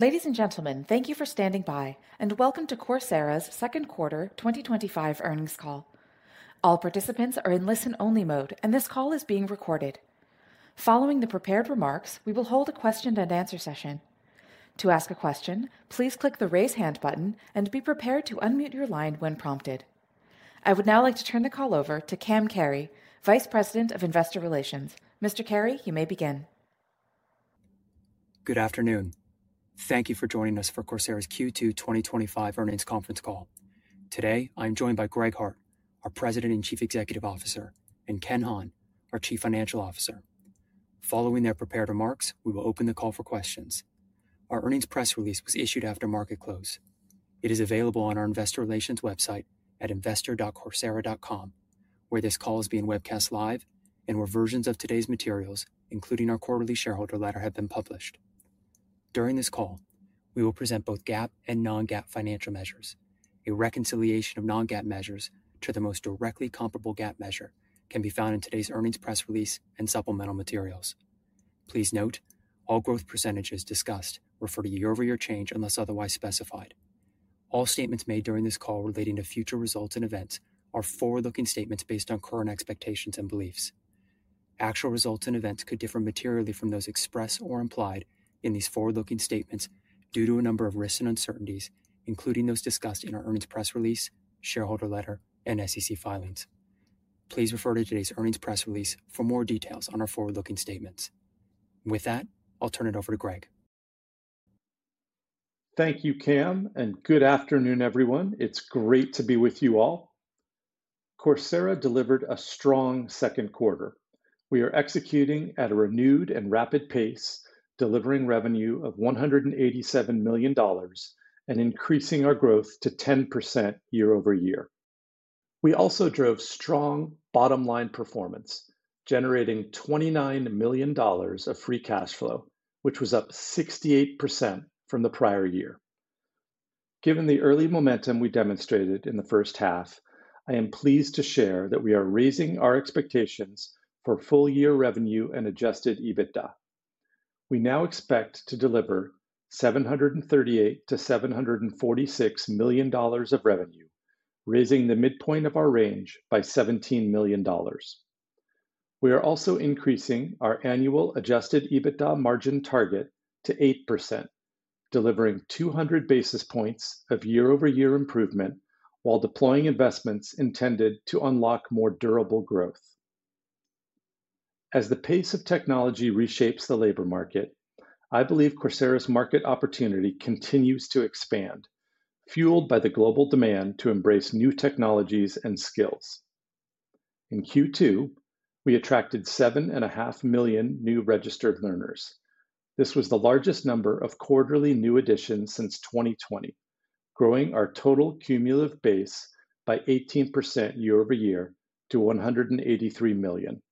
Ladies and gentlemen, thank you for standing by and welcome to Coursera's second quarter 2025 earnings call. All participants are in listen-only mode, and this call is being recorded. Following the prepared remarks, we will hold a question and answer session. To ask a question, please click the raise hand button and be prepared to unmute your line when prompted. I would now like to turn the call over to Cam Carey, Vice President of Investor Relations. Mr. Carey, you may begin. Good afternoon. Thank you for joining us for Coursera's Q2 2025 earnings conference call. Today, I am joined by Greg Hart, our President and Chief Executive Officer, and Ken Hahn, our Chief Financial Officer. Following their prepared remarks, we will open the call for questions. Our earnings press release was issued after market close. It is available on our investor relations website at investor.coursera.com, where this call is being webcast live and where versions of today's materials, including our quarterly shareholder letter, have been published. During this call, we will present both GAAP and non-GAAP financial measures. A reconciliation of non-GAAP measures to the most directly comparable GAAP measure can be found in today's earnings press release and supplemental materials. Please note, all growth percentages discussed refer to year-over-year change unless otherwise specified. All statements made during this call relating to future results and events are forward-looking statements based on current expectations and beliefs. Actual results and events could differ materially from those expressed or implied in these forward-looking statements due to a number of risks and uncertainties, including those discussed in our earnings press release, shareholder letter, and SEC filings. Please refer to today's earnings press release for more details on our forward-looking statements. With that, I'll turn it over to Greg. Thank you, Cam, and good afternoon, everyone. It's great to be with you all. Coursera delivered a strong second quarter. We are executing at a renewed and rapid pace, delivering revenue of $187 million and increasing our growth to 10% year-over-year. We also drove strong bottom-line performance, generating $29 million of free cash flow, which was up 68% from the prior year. Given the early momentum we demonstrated in the first half, I am pleased to share that we are raising our expectations for full-year revenue and adjusted EBITDA. We now expect to deliver $738 million-$746 million of revenue, raising the midpoint of our range by $17 million. We are also increasing our annual adjusted EBITDA margin target to 8%, delivering 200 basis points of year-over-year improvement while deploying investments intended to unlock more durable growth. As the pace of technology reshapes the labor market, I believe Coursera's market opportunity continues to expand, fueled by the global demand to embrace new technologies and skills. In Q2, we attracted 7.5 million new registered learners. This was the largest number of quarterly new additions since 2020, growing our total cumulative base by 18% year-over-year to 183 million.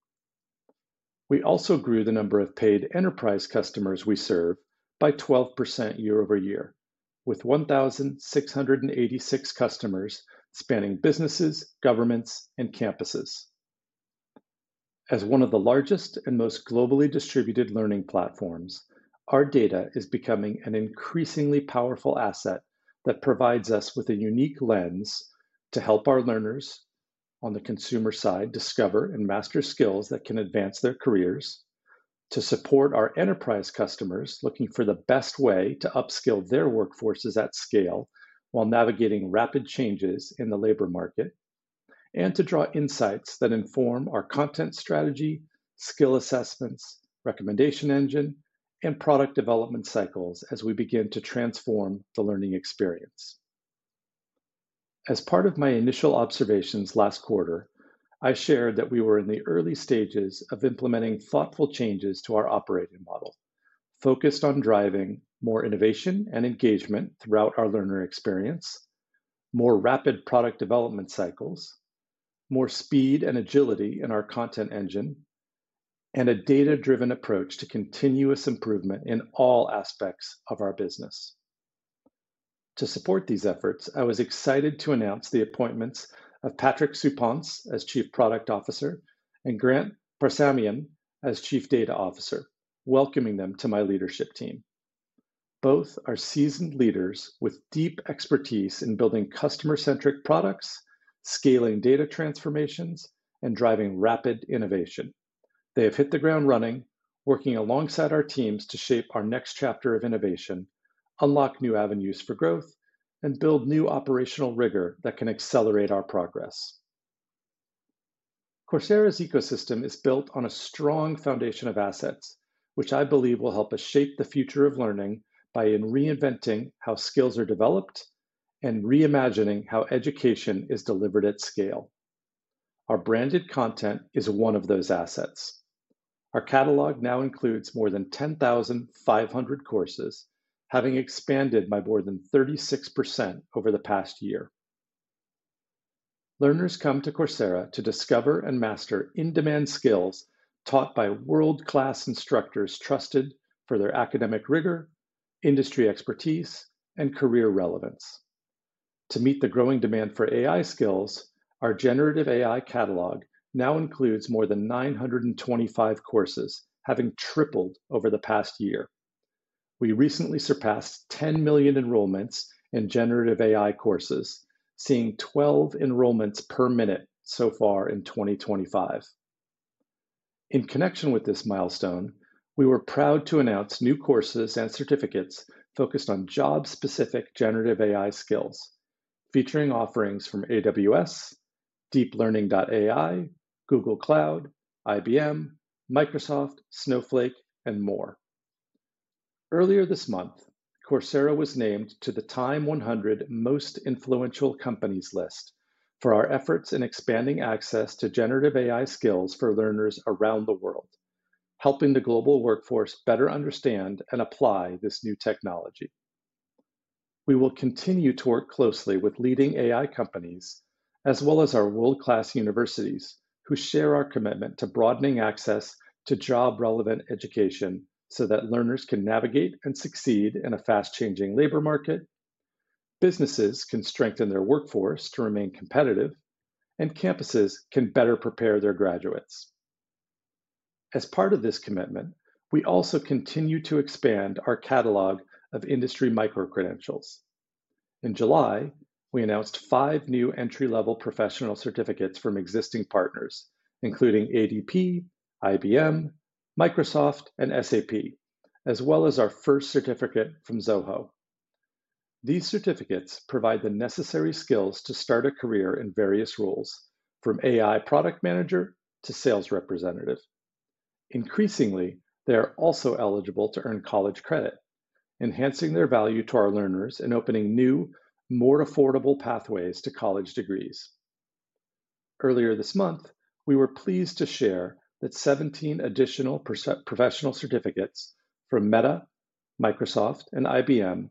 We also grew the number of paid enterprise customers we serve by 12% year-over-year, with 1,686 customers spanning businesses, governments, and campuses. As one of the largest and most globally distributed learning platforms, our data is becoming an increasingly powerful asset that provides us with a unique lens to help our learners on the consumer side discover and master skills that can advance their careers, to support our enterprise customers looking for the best way to upskill their workforces at scale while navigating rapid changes in the labor market, and to draw insights that inform our content strategy, skill assessments, recommendation engine, and product development cycles as we begin to transform the learning experience. As part of my initial observations last quarter, I shared that we were in the early stages of implementing thoughtful changes to our operating model, focused on driving more innovation and engagement throughout our learner experience, more rapid product development cycles, more speed and agility in our content engine, and a data-driven approach to continuous improvement in all aspects of our business. To support these efforts, I was excited to announce the appointments of Patrick Soupance as Chief Product Officer and Grant Parsamian as Chief Data Officer, welcoming them to my leadership team. Both are seasoned leaders with deep expertise in building customer-centric products, scaling data transformations, and driving rapid innovation. They have hit the ground running, working alongside our teams to shape our next chapter of innovation, unlock new avenues for growth, and build new operational rigor that can accelerate our progress. Coursera's ecosystem is built on a strong foundation of assets, which I believe will help us shape the future of learning by reinventing how skills are developed and reimagining how education is delivered at scale. Our branded content is one of those assets. Our catalog now includes more than 10,500 courses, having expanded by more than 36% over the past year. Learners come to Coursera to discover and master in-demand skills taught by world-class instructors trusted for their academic rigor, industry expertise, and career relevance. To meet the growing demand for AI skills, our generative AI catalog now includes more than 925 courses, having tripled over the past year. We recently surpassed 10 million enrollments in generative AI courses, seeing 12 enrollments per minute so far in 2025. In connection with this milestone, we were proud to announce new courses and certificates focused on job-specific generative AI skills, featuring offerings from AWS, DeepLearning.ai, Google Cloud, IBM, Microsoft, Snowflake, and more. Earlier this month, Coursera was named to the TIME 100 Most Influential Companies list for our efforts in expanding access to generative AI skills for learners around the world, helping the global workforce better understand and apply this new technology. We will continue to work closely with leading AI companies, as well as our world-class universities, who share our commitment to broadening access to job-relevant education so that learners can navigate and succeed in a fast-changing labor market, businesses can strengthen their workforce to remain competitive, and campuses can better prepare their graduates. As part of this commitment, we also continue to expand our catalog of industry micro-credentials. In July, we announced five new entry-level professional certificates from existing partners, including ADP, IBM, Microsoft, and SAP, as well as our first certificate from Zoho. These certificates provide the necessary skills to start a career in various roles, from AI product manager to sales representative. Increasingly, they are also eligible to earn college credit, enhancing their value to our learners and opening new, more affordable pathways to college degrees. Earlier this month, we were pleased to share that 17 additional professional certificates from Meta, Microsoft, and IBM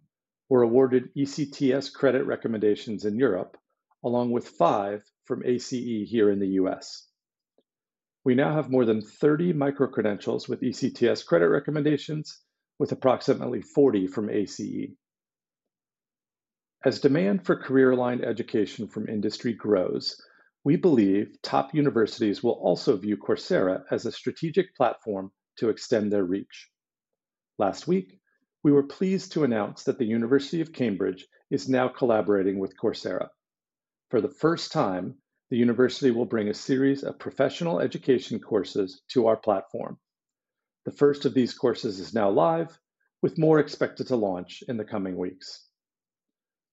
were awarded ECTS credit recommendations in Europe, along with five from ACE here in the U.S. We now have more than 30 micro-credentials with ECTS credit recommendations, with approximately 40 from ACE. As demand for career-aligned education from industry grows, we believe top universities will also view Coursera as a strategic platform to extend their reach. Last week, we were pleased to announce that the University of Cambridge is now collaborating with Coursera. For the first time, the university will bring a series of professional education courses to our platform. The first of these courses is now live, with more expected to launch in the coming weeks.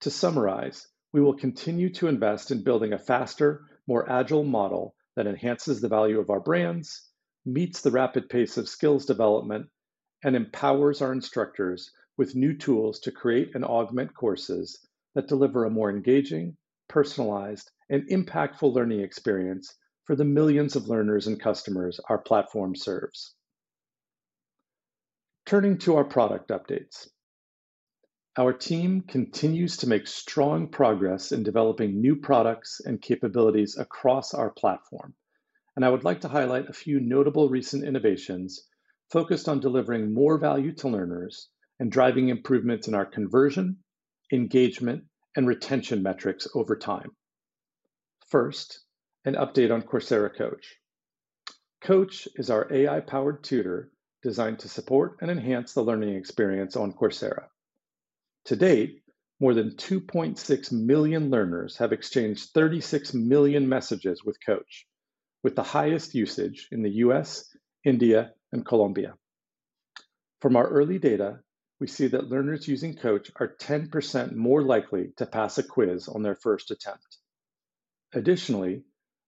To summarize, we will continue to invest in building a faster, more agile model that enhances the value of our brands, meets the rapid pace of skills development, and empowers our instructors with new tools to create and augment courses that deliver a more engaging, personalized, and impactful learning experience for the millions of learners and customers our platform serves. Turning to our product updates, our team continues to make strong progress in developing new products and capabilities across our platform. I would like to highlight a few notable recent innovations focused on delivering more value to learners and driving improvements in our conversion, engagement, and retention metrics over time. First, an update on Coursera Coach. Coach is our AI-powered tutor designed to support and enhance the learning experience on Coursera. To date, more than 2.6 million learners have exchanged 36 million messages with Coach, with the highest usage in the U.S., India, and Colombia. From our early data, we see that learners using Coach are 10% more likely to pass a quiz on their first attempt. Additionally,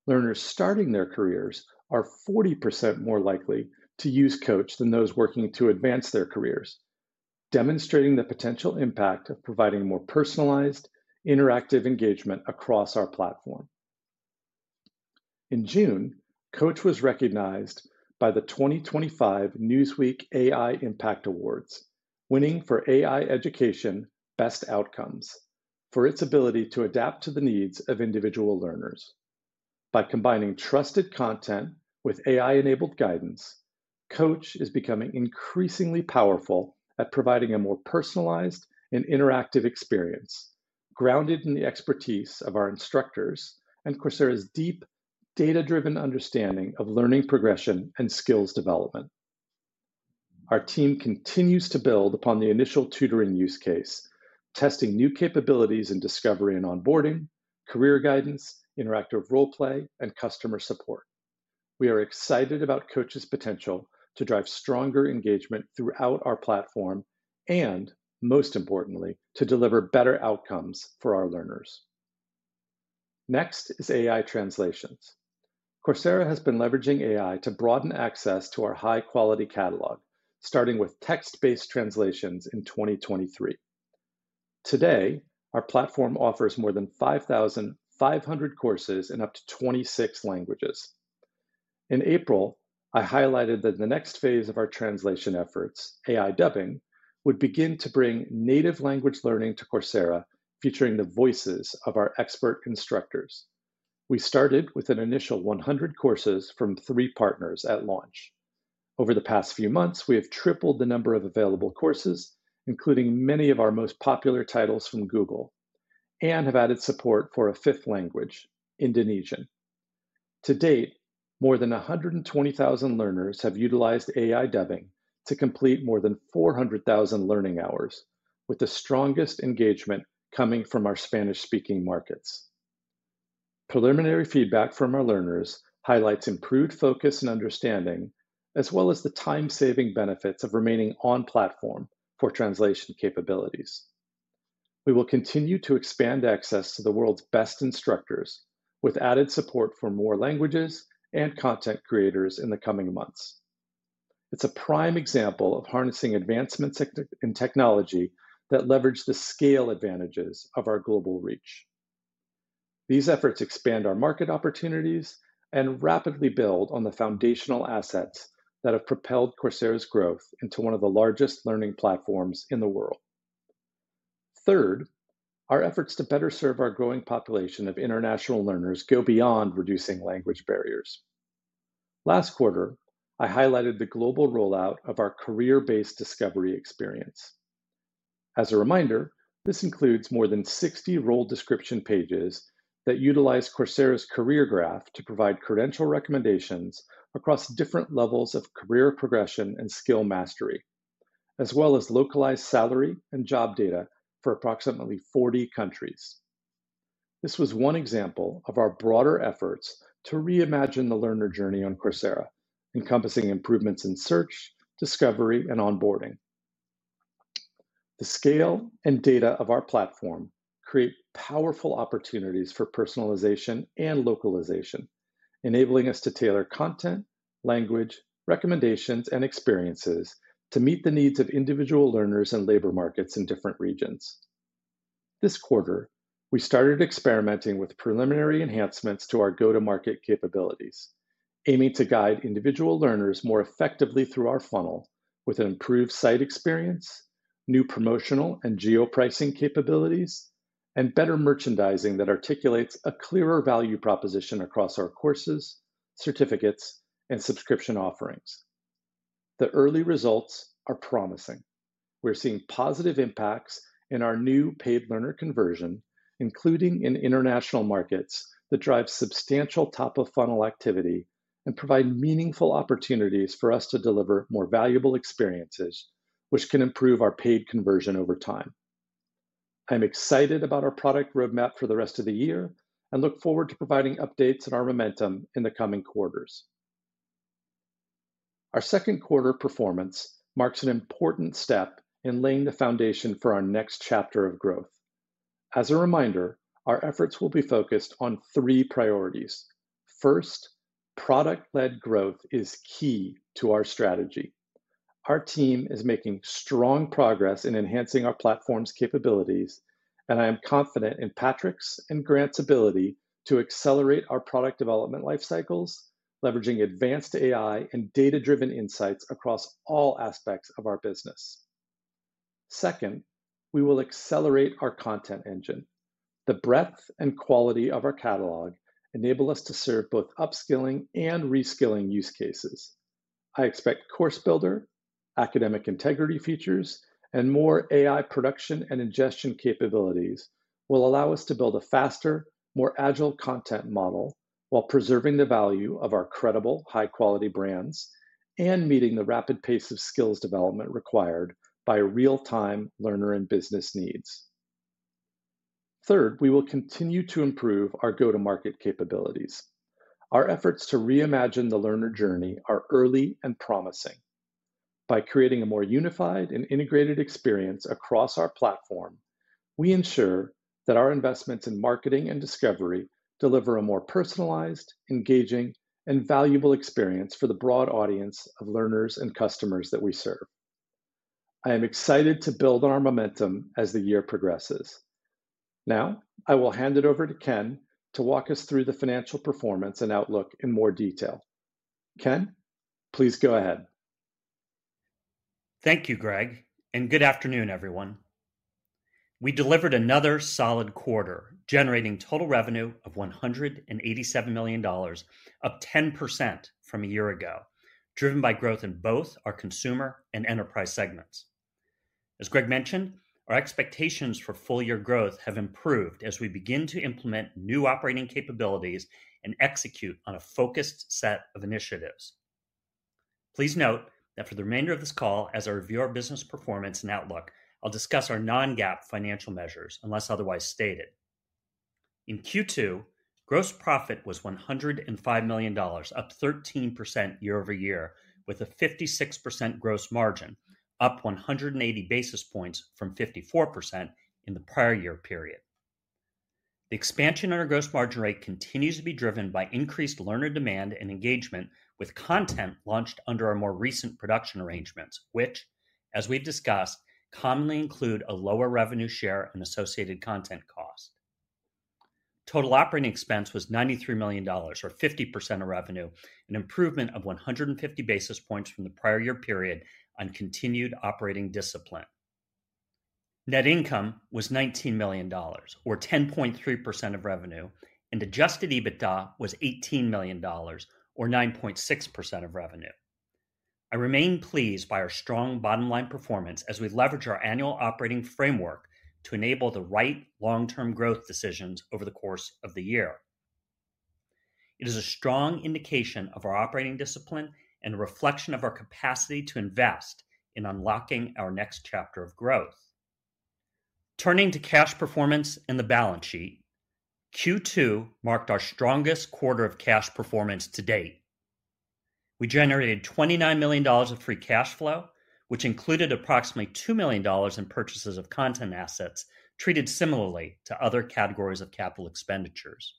learners starting their careers are 40% more likely to use Coach than those working to advance their careers, demonstrating the potential impact of providing more personalized, interactive engagement across our platform. In June, Coursera Coach was recognized by the 2025 Newsweek AI Impact Awards, winning for AI Education Best Outcomes for its ability to adapt to the needs of individual learners. By combining trusted content with AI-enabled guidance, Coursera Coach is becoming increasingly powerful at providing a more personalized and interactive experience, grounded in the expertise of our instructors and Coursera's deep, data-driven understanding of learning progression and skills development. Our team continues to build upon the initial tutoring use case, testing new capabilities in discovery and onboarding, career guidance, interactive role play, and customer support. We are excited about Coursera Coach's potential to drive stronger engagement throughout our platform and, most importantly, to deliver better outcomes for our learners. Next is AI translations. Coursera has been leveraging AI to broaden access to our high-quality catalog, starting with text-based translations in 2023. Today, our platform offers more than 5,500 courses in up to 26 languages. In April, I highlighted that the next phase of our translation efforts, AI dubbing, would begin to bring native language learning to Coursera, featuring the voices of our expert instructors. We started with an initial 100 courses from three partners at launch. Over the past few months, we have tripled the number of available courses, including many of our most popular titles from Google, and have added support for a fifth language, Indonesian. To date, more than 120,000 learners have utilized AI dubbing to complete more than 400,000 learning hours, with the strongest engagement coming from our Spanish-speaking markets. Preliminary feedback from our learners highlights improved focus and understanding, as well as the time-saving benefits of remaining on-platform for translation capabilities. We will continue to expand access to the world's best instructors, with added support for more languages and content creators in the coming months. It is a prime example of harnessing advancements in technology that leverage the scale advantages of our global reach. These efforts expand our market opportunities and rapidly build on the foundational assets that have propelled Coursera's growth into one of the largest learning platforms in the world. Third, our efforts to better serve our growing population of international learners go beyond reducing language barriers. Last quarter, I highlighted the global rollout of our career-based discovery experience. As a reminder, this includes more than 60 role description pages that utilize Coursera's career graph to provide credential recommendations across different levels of career progression and skill mastery, as well as localized salary and job data for approximately 40 countries. This was one example of our broader efforts to reimagine the learner journey on Coursera, encompassing improvements in search, discovery, and onboarding. The scale and data of our platform create powerful opportunities for personalization and localization, enabling us to tailor content, language, recommendations, and experiences to meet the needs of individual learners and labor markets in different regions. This quarter, we started experimenting with preliminary enhancements to our go-to-market capabilities, aiming to guide individual learners more effectively through our funnel, with an improved site experience, new promotional and geo-pricing capabilities, and better merchandising that articulates a clearer value proposition across our courses, certificates, and subscription offerings. The early results are promising. We're seeing positive impacts in our new paid learner conversion, including in international markets that drive substantial top-of-funnel activity and provide meaningful opportunities for us to deliver more valuable experiences, which can improve our paid conversion over time. I'm excited about our product roadmap for the rest of the year and look forward to providing updates on our momentum in the coming quarters. Our second quarter performance marks an important step in laying the foundation for our next chapter of growth. As a reminder, our efforts will be focused on three priorities. First, product-led growth is key to our strategy. Our team is making strong progress in enhancing our platform's capabilities, and I am confident in Patrick's and Grant's ability to accelerate our product development lifecycles, leveraging advanced AI and data-driven insights across all aspects of our business. Second, we will accelerate our content engine. The breadth and quality of our catalog enable us to serve both upskilling and reskilling use cases. I expect CourseBuilder, academic integrity features, and more AI production and ingestion capabilities will allow us to build a faster, more agile content model while preserving the value of our credible, high-quality brands and meeting the rapid pace of skills development required by real-time learner and business needs. Third, we will continue to improve our go-to-market capabilities. Our efforts to reimagine the learner journey are early and promising. By creating a more unified and integrated experience across our platform, we ensure that our investments in marketing and discovery deliver a more personalized, engaging, and valuable experience for the broad audience of learners and customers that we serve. I am excited to build on our momentum as the year progresses. Now, I will hand it over to Ken to walk us through the financial performance and outlook in more detail. Ken, please go ahead. Thank you, Greg, and good afternoon, everyone. We delivered another solid quarter, generating total revenue of $187 million, up 10% from a year ago, driven by growth in both our consumer and enterprise segments. As Greg mentioned, our expectations for full-year growth have improved as we begin to implement new operating capabilities and execute on a focused set of initiatives. Please note that for the remainder of this call, as I review our business performance and outlook, I'll discuss our non-GAAP financial measures unless otherwise stated. In Q2, gross profit was $105 million, up 13% year-over-year, with a 56% gross margin, up 180 basis points from 54% in the prior year period. The expansion in our gross margin rate continues to be driven by increased learner demand and engagement with content launched under our more recent production arrangements, which, as we've discussed, commonly include a lower revenue share on associated content cost. Total operating expense was $93 million, or 50% of revenue, an improvement of 150 basis points from the prior year period on continued operating discipline. Net income was $19 million, or 10.3% of revenue, and adjusted EBITDA was $18 million, or 9.6% of revenue. I remain pleased by our strong bottom-line performance as we leverage our annual operating framework to enable the right long-term growth decisions over the course of the year. It is a strong indication of our operating discipline and a reflection of our capacity to invest in unlocking our next chapter of growth. Turning to cash performance and the balance sheet, Q2 marked our strongest quarter of cash performance to date. We generated $29 million of free cash flow, which included approximately $2 million in purchases of content assets treated similarly to other categories of capital expenditures.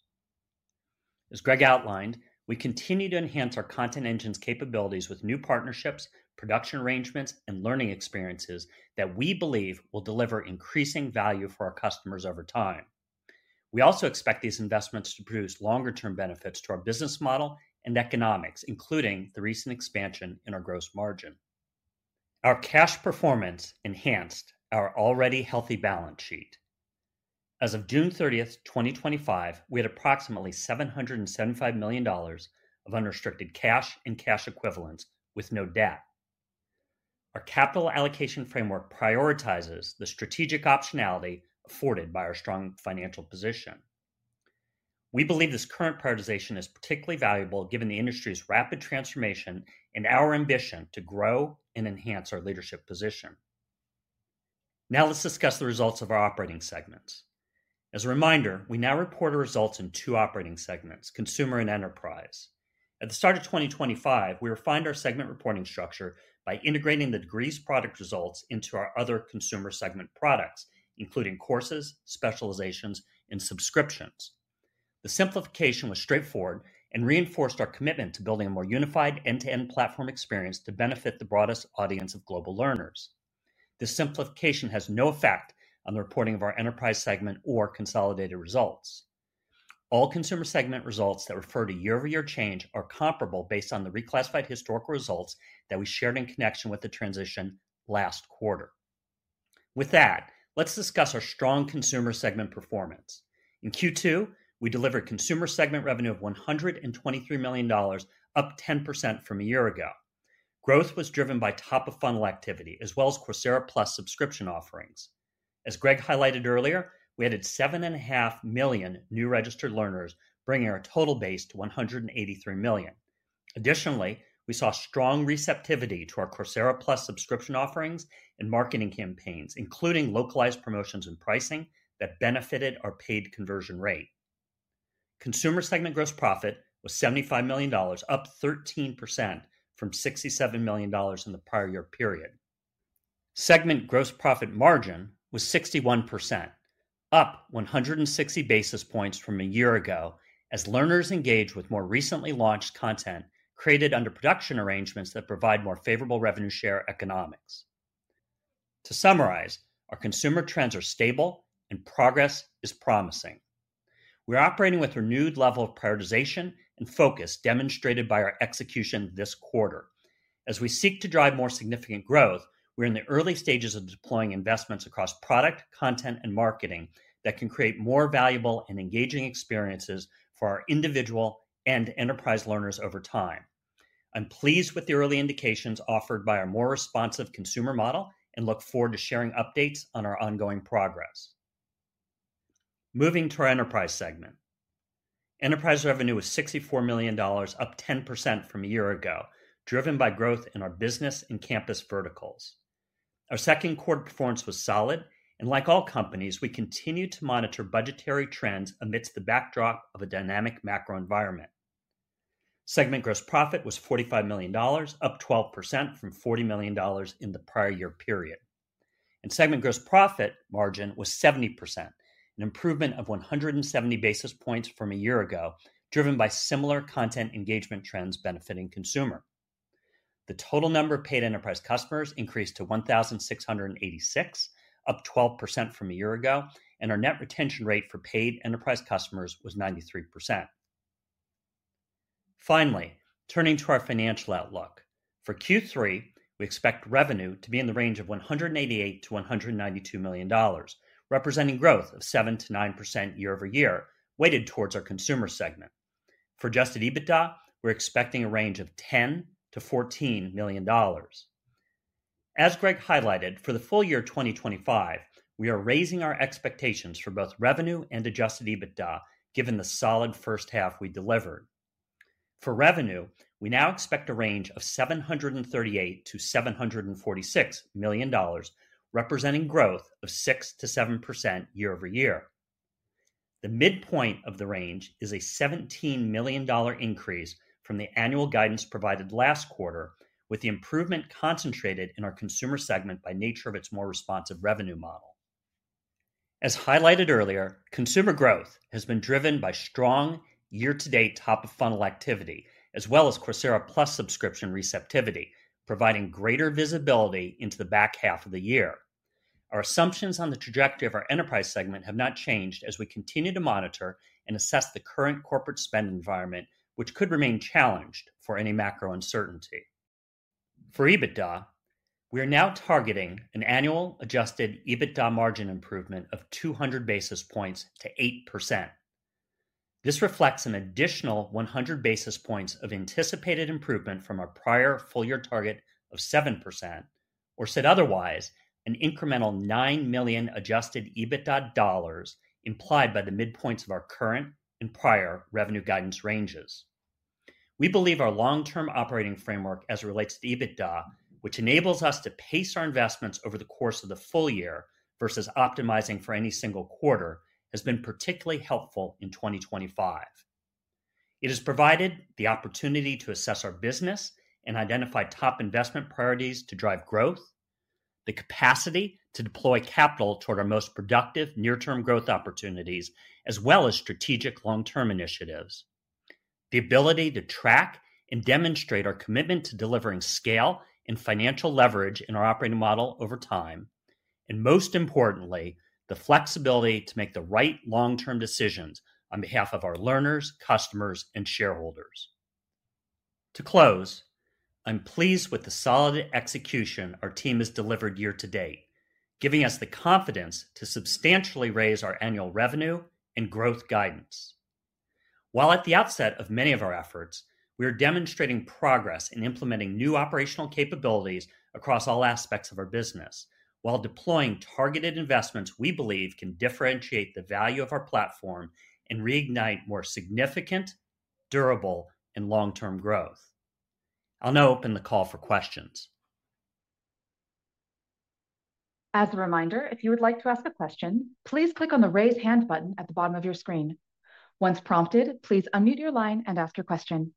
As Greg outlined, we continue to enhance our content engine's capabilities with new partnerships, production arrangements, and learning experiences that we believe will deliver increasing value for our customers over time. We also expect these investments to produce longer-term benefits to our business model and economics, including the recent expansion in our gross margin. Our cash performance enhanced our already healthy balance sheet. As of June 30, 2025, we had approximately $775 million of unrestricted cash and cash equivalents with no debt. Our capital allocation framework prioritizes the strategic optionality afforded by our strong financial position. We believe this current prioritization is particularly valuable given the industry's rapid transformation and our ambition to grow and enhance our leadership position. Now, let's discuss the results of our operating segments. As a reminder, we now report our results in two operating segments: consumer and enterprise. At the start of 2025, we refined our segment reporting structure by integrating the Degrees product results into our other consumer segment products, including courses, specializations, and subscriptions. The simplification was straightforward and reinforced our commitment to building a more unified end-to-end platform experience to benefit the broadest audience of global learners. This simplification has no effect on the reporting of our enterprise segment or consolidated results. All consumer segment results that refer to year-over-year change are comparable based on the reclassified historical results that we shared in connection with the transition last quarter. With that, let's discuss our strong consumer segment performance. In Q2, we delivered consumer segment revenue of $123 million, up 10% from a year ago. Growth was driven by top-of-funnel activity, as well as Coursera Plus subscription offerings. As Greg highlighted earlier, we added 7.5 million new registered learners, bringing our total base to 183 million. Additionally, we saw strong receptivity to our Coursera Plus subscription offerings and marketing campaigns, including localized promotions and pricing that benefited our paid conversion rate. Consumer segment gross profit was $75 million, up 13% from $67 million in the prior year period. Segment gross profit margin was 61%, up 160 basis points from a year ago, as learners engage with more recently launched content created under production arrangements that provide more favorable revenue share economics. To summarize, our consumer trends are stable and progress is promising. We are operating with a renewed level of prioritization and focus demonstrated by our execution this quarter. As we seek to drive more significant growth, we're in the early stages of deploying investments across product, content, and marketing that can create more valuable and engaging experiences for our individual and enterprise learners over time. I'm pleased with the early indications offered by our more responsive consumer model and look forward to sharing updates on our ongoing progress. Moving to our enterprise segment, enterprise revenue was $64 million, up 10% from a year ago, driven by growth in our business and campus verticals. Our second quarter performance was solid, and like all companies, we continue to monitor budgetary trends amidst the backdrop of a dynamic macro environment. Segment gross profit was $45 million, up 12% from $40 million in the prior year period. Segment gross profit margin was 70%, an improvement of 170 basis points from a year ago, driven by similar content engagement trends benefiting consumers. The total number of paid enterprise customers increased to 1,686, up 12% from a year ago, and our net retention rate for paid enterprise customers was 93%. Finally, turning to our financial outlook, for Q3, we expect revenue to be in the range of $188 million-$192 million, representing growth of 7%-9% year-over-year, weighted towards our consumer segment. For adjusted EBITDA we're expecting a range of $10 million-$14 million. As Greg highlighted, for the full year 2025, we are raising our expectations for both revenue and adjusted EBITDA, given the solid first half we delivered. For revenue, we now expect a range of $738 million-$746 million, representing growth of 6%-7% year-over-year. The midpoint of the range is a $17 million increase from the annual guidance provided last quarter, with the improvement concentrated in our consumer segment by nature of its more responsive revenue model. As highlighted earlier, consumer growth has been driven by strong year-to-date top-of-funnel activity, as well as Coursera Plus subscription receptivity, providing greater visibility into the back half of the year. Our assumptions on the trajectory of our enterprise segment have not changed as we continue to monitor and assess the current corporate spend environment, which could remain challenged for any macro uncertainty. For EBITDA, we are now targeting an annual adjusted EBITDA margin improvement of 200 basis points to 8%. This reflects an additional 100 basis points of anticipated improvement from our prior full-year target of 7%, or said otherwise, an incremental $9 million adjusted EBITDA dollars implied by the midpoints of our current and prior revenue guidance ranges. We believe our long-term operating framework as it relates to EBITDA, which enables us to pace our investments over the course of the full year versus optimizing for any single quarter, has been particularly helpful in 2025. It has provided the opportunity to assess our business and identify top investment priorities to drive growth, the capacity to deploy capital toward our most productive near-term growth opportunities, as well as strategic long-term initiatives, the ability to track and demonstrate our commitment to delivering scale and financial leverage in our operating model over time, and most importantly, the flexibility to make the right long-term decisions on behalf of our learners, customers, and shareholders. To close, I'm pleased with the solid execution our team has delivered year to date, giving us the confidence to substantially raise our annual revenue and growth guidance. While at the outset of many of our efforts, we are demonstrating progress in implementing new operational capabilities across all aspects of our business, while deploying targeted investments we believe can differentiate the value of our platform and reignite more significant, durable, and long-term growth. I'll now open the call for questions. As a reminder, if you would like to ask a question, please click on the raise hand button at the bottom of your screen. Once prompted, please unmute your line and ask your question.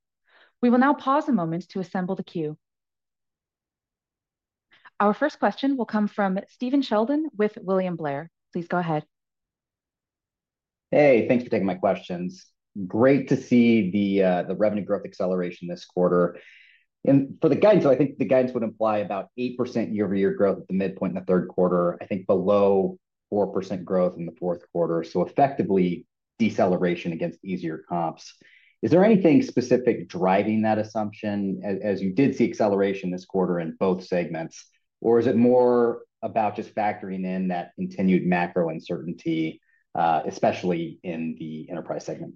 We will now pause a moment to assemble the queue. Our first question will come from Stephen Sheldon with William Blair. Please go ahead. Hey, thanks for taking my questions. Great to see the revenue growth acceleration this quarter. For the guidance, I think the guidance would imply about 8% year-over-year growth at the midpoint in the third quarter, I think below 4% growth in the fourth quarter, so effectively deceleration against easier comps. Is there anything specific driving that assumption, as you did see acceleration this quarter in both segments, or is it more about just factoring in that continued macro uncertainty, especially in the enterprise segment?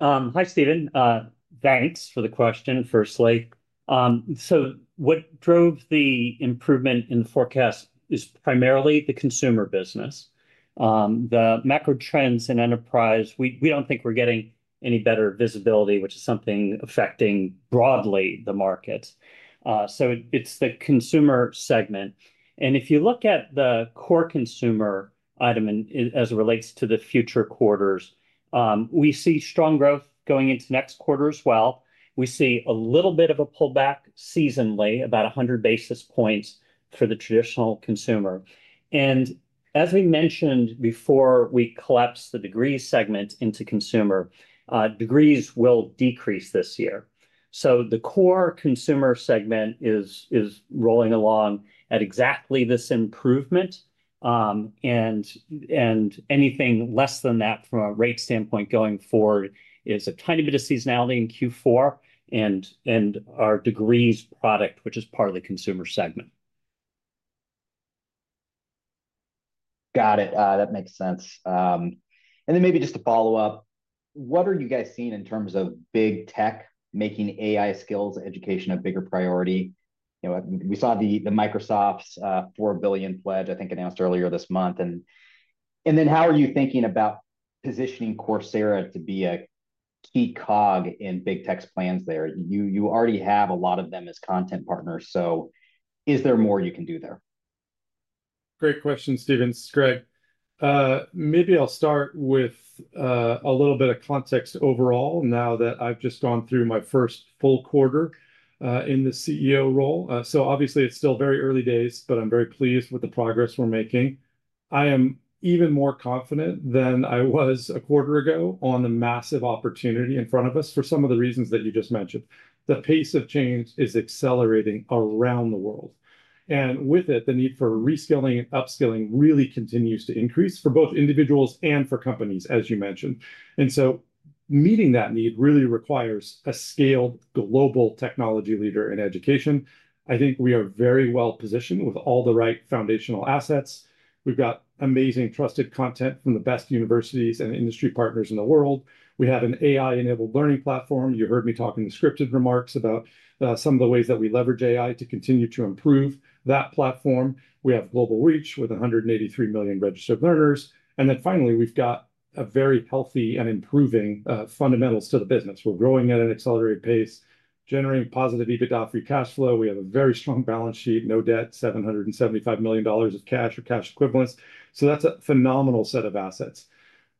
Hi, Stephen. Thanks for the question, firstly. What drove the improvement in the forecast is primarily the consumer business. The macro trends in enterprise, we don't think we're getting any better visibility, which is something affecting broadly the markets. It's the consumer segment. If you look at the core consumer item as it relates to the future quarters, we see strong growth going into next quarter as well. We see a little bit of a pullback seasonally, about 100 basis points for the traditional consumer. As we mentioned before, we collapse the Degrees segment into consumer. Degrees will decrease this year. The core consumer segment is rolling along at exactly this improvement. Anything less than that from a rate standpoint going forward is a tiny bit of seasonality in Q4 and our Degrees product, which is partly consumer segment. Got it. That makes sense. Maybe just to follow up, what are you guys seeing in terms of big tech making AI skills education a bigger priority? We saw Microsoft's $4 billion pledge, I think, announced earlier this month. How are you thinking about positioning Coursera to be a key cog in big tech's plans there? You already have a lot of them as content partners. Is there more you can do there? Great question, Stephen. Greg, maybe I'll start with a little bit of context overall now that I've just gone through my first full quarter in the CEO role. Obviously, it's still very early days, but I'm very pleased with the progress we're making. I am even more confident than I was a quarter ago on the massive opportunity in front of us for some of the reasons that you just mentioned. The pace of change is accelerating around the world. With it, the need for reskilling and upskilling really continues to increase for both individuals and for companies, as you mentioned. Meeting that need really requires a scaled global technology leader in education. I think we are very well positioned with all the right foundational assets. We've got amazing, trusted content from the best universities and industry partners in the world. We have an AI-enabled learning platform. You heard me talking in scripted remarks about some of the ways that we leverage AI to continue to improve that platform. We have global reach with 183 million registered learners. Finally, we've got very healthy and improving fundamentals to the business. We're growing at an accelerated pace, generating positive EBITDA free cash flow. We have a very strong balance sheet, no debt, $775 million of cash or cash equivalents. That's a phenomenal set of assets.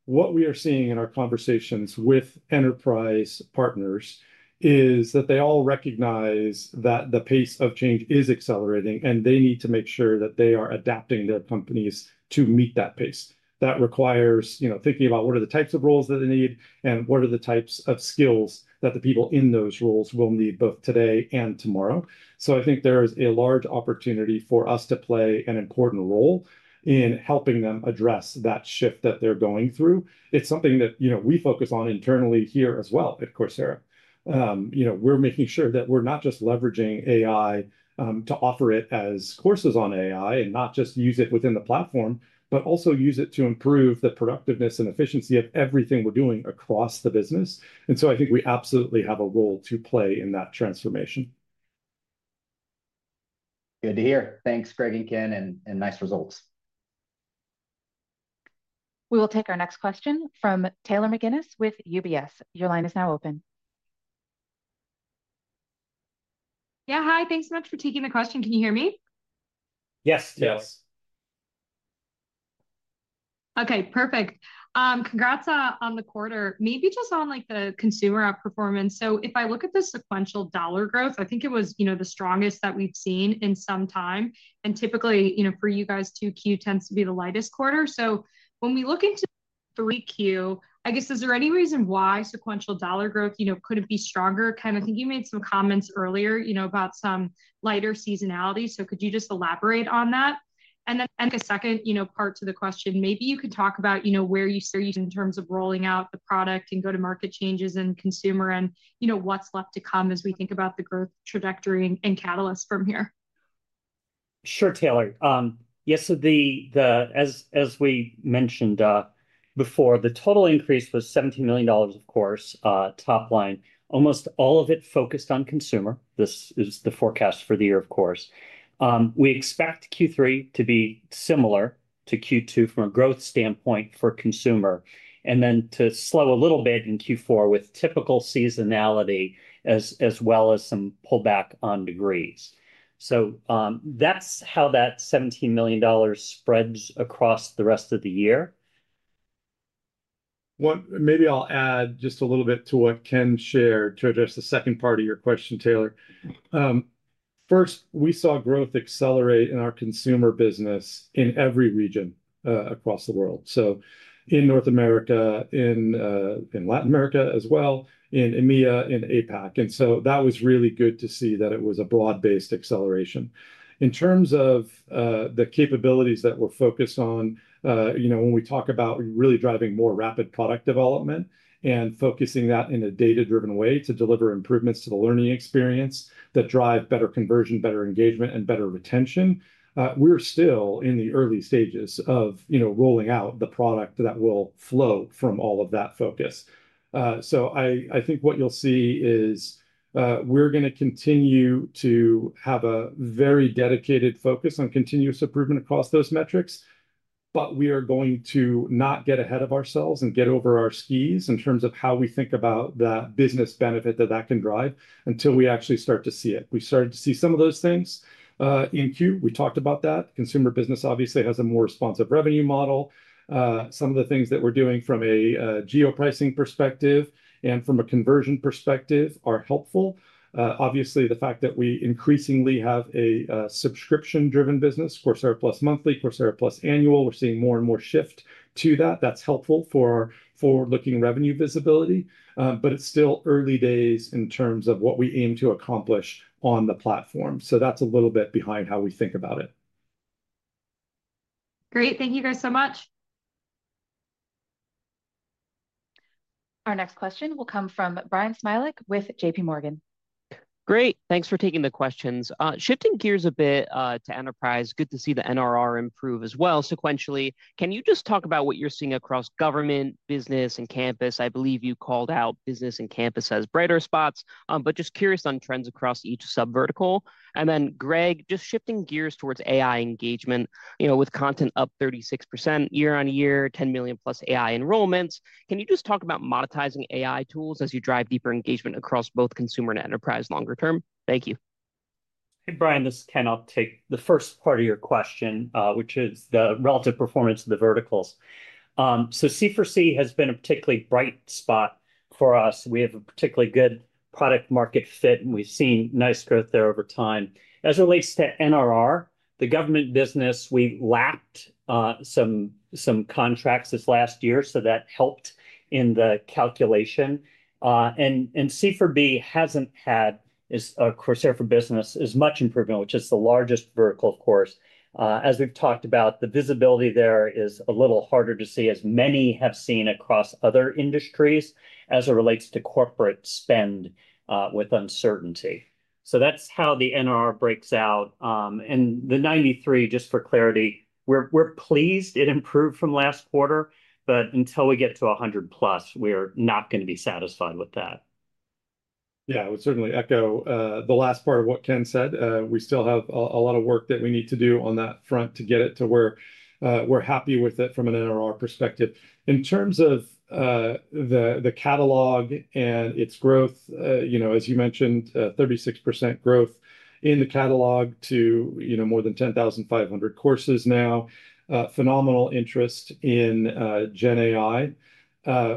What we are seeing in our conversations with enterprise partners is that they all recognize that the pace of change is accelerating, and they need to make sure that they are adapting their companies to meet that pace. That requires thinking about what are the types of roles that they need and what are the types of skills that the people in those roles will need both today and tomorrow. I think there is a large opportunity for us to play an important role in helping them address that shift that they're going through. It's something that we focus on internally here as well at Coursera. We're making sure that we're not just leveraging AI to offer it as courses on AI and not just use it within the platform, but also use it to improve the productiveness and efficiency of everything we're doing across the business. I think we absolutely have a role to play in that transformation. Good to hear. Thanks, Greg and Ken, and nice results. We will take our next question from Taylor McGinnis with UBS. Your line is now open. Yeah, hi. Thanks so much for taking the question. Can you hear me? Yes, Taylor. OK, perfect. Congrats on the quarter. Maybe just on the consumer performance. If I look at the sequential dollar growth, I think it was the strongest that we've seen in some time. Typically, for you guys, Q2 tends to be the lightest quarter. When we look into Q3, is there any reason why sequential dollar growth couldn't be stronger? Ken, I think you made some comments earlier about some lighter seasonality. Could you just elaborate on that? A second part to the question, maybe you could talk about where you see in terms of rolling out the product and go-to-market changes in consumer and what's left to come as we think about the growth trajectory and catalysts from here. Sure, Taylor. Yes, as we mentioned before, the total increase was $17 million, of course, top line. Almost all of it focused on consumer. This is the forecast for the year, of course. We expect Q3 to be similar to Q2 from a growth standpoint for consumer, and to slow a little bit in Q4 with typical seasonality as well as some pullback on Degrees. That's how that $17 million spreads across the rest of the year. Maybe I'll add just a little bit to what Ken shared to address the second part of your question, Taylor. First, we saw growth accelerate in our consumer business in every region across the world, in North America, in Latin America as well, in EMEA, and APAC. That was really good to see that it was a broad-based acceleration. In terms of the capabilities that we're focused on, when we talk about really driving more rapid product development and focusing that in a data-driven way to deliver improvements to the learning experience that drive better conversion, better engagement, and better retention, we're still in the early stages of rolling out the product that will flow from all of that focus. I think what you'll see is we're going to continue to have a very dedicated focus on continuous improvement across those metrics. We are going to not get ahead of ourselves and get over our skis in terms of how we think about the business benefit that that can drive until we actually start to see it. We've started to see some of those things in Q. We talked about that. Consumer business obviously has a more responsive revenue model. Some of the things that we're doing from a geo-pricing perspective and from a conversion perspective are helpful. Obviously, the fact that we increasingly have a subscription-driven business, Coursera Plus monthly, Coursera Plus annual, we're seeing more and more shift to that. That's helpful for our forward-looking revenue visibility. It's still early days in terms of what we aim to accomplish on the platform. That's a little bit behind how we think about it. Great. Thank you guys so much. Our next question will come from Bryan Smilek with JPMorgan. Great. Thanks for taking the questions. Shifting gears a bit to enterprise, good to see the NRR improve as well sequentially. Can you just talk about what you're seeing across government, business, and campus? I believe you called out business and campus as brighter spots, just curious on trends across each sub-vertical. Greg, shifting gears towards AI engagement, with content up 36% year on year, 10 million plus AI enrollments. Can you just talk about monetizing AI tools as you drive deeper engagement across both consumer and enterprise longer term? Thank you. Hey, Brian. This is Ken Hahn. The first part of your question, which is the relative performance of the verticals. C4C has been a particularly bright spot for us. We have a particularly good product-market fit, and we've seen nice growth there over time. As it relates to NRR, the government business, we lapped some contracts this last year, which helped in the calculation. C4B hasn't had Coursera for Business as much improvement, which is the largest vertical, of course. As we've talked about, the visibility there is a little harder to see, as many have seen across other industries as it relates to corporate spend with uncertainty. That's how the NRR breaks out. The 93, just for clarity, we're pleased it improved from last quarter. Until we get to 100+, we are not going to be satisfied with that. Yeah, I would certainly echo the last part of what Ken said. We still have a lot of work that we need to do on that front to get it to where we're happy with it from an NRR perspective. In terms of the catalog and its growth, as you mentioned, 36% growth in the catalog to more than 10,500 courses now, phenomenal interest in generative AI.